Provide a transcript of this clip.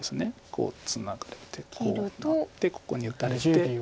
こうツナがれてこうなってここに打たれて。